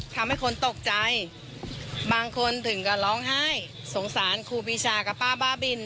ทำให้คนตกใจบางคนถึงกับร้องไห้สงสารครูปีชากับป้าบ้าบิน